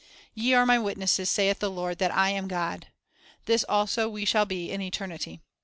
"Ye are My witnesses, saith the Lord, that I am God."' 2 This also we shall be in eternity.